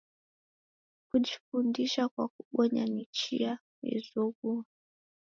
Kujifundisha kwa kubonya, ni chia yezoghua.